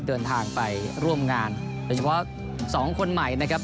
เดินทางไปร่วมงานโดยเฉพาะสองคนใหม่นะครับ